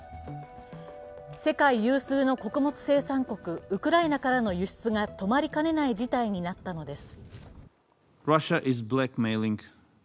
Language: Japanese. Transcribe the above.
世界有数の穀物生産国ウクライナからの輸出が止まりかねない事態になったのです。